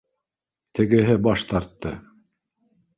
Тегеһе баш тартты